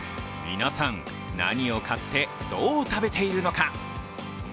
皆さん、何を買って、どう食べているのか。